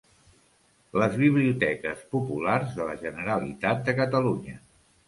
Les Biblioteques Populars de la Generalitat de Catalunya.